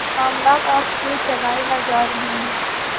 معاملات آپ سے چلائے نہ جا رہے ہوں۔